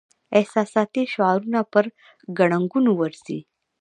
احساساتي شعارونه پر ګړنګونو ورځي.